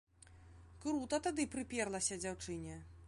Крута тады прыперлася дзяўчыне.